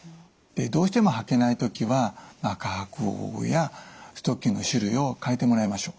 どうしても履けない時は履く方法やストッキングの種類を替えてもらいましょう。